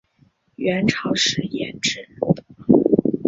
元朝时沿置。